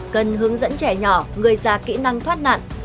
cần hướng dẫn trẻ nhỏ người già kỹ năng thoát nạn